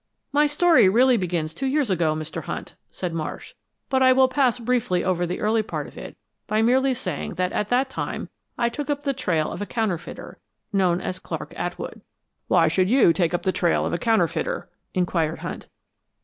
"My story really begins two years ago, Mr. Hunt," said Marsh, "but I will pass briefly over the early part of it by merely saying that at that time I took up the trail of a counterfeiter, known as Clark Atwood." "Why should you take up the trail of a counterfeiter?" inquired Hunt.